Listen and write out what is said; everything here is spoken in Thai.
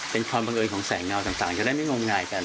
เป็นความบังเอิญของแสงเงาต่างจะได้ไม่งมงายกัน